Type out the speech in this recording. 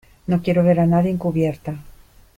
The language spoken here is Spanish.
no quiero ver a nadie en cubierta.